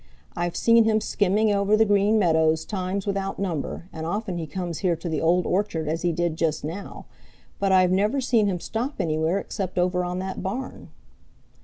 I've seen him skimming over the Green Meadows times without number, and often he comes here to the Old Orchard as he did just now, but I've never seen him stop anywhere except over on that barn."